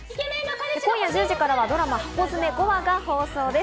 今夜１０時からはドラマ『ハコヅメ』５話が放送です。